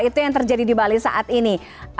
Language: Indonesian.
itu yang terjadi di bali saat ini